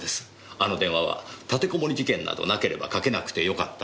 あの電話は立てこもり事件などなければかけなくてよかった